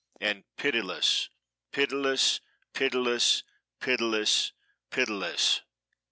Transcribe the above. And pitiless! pitiless! pitiless! pitiless! pitiless!"